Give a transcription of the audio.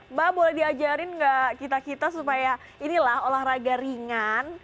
mbak boleh diajarin nggak kita kita supaya inilah olahraga ringan